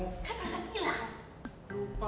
kan kerasa kilang